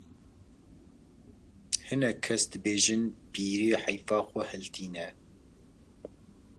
hinek kes dibêjin pîrê heyfa xwe hiltîne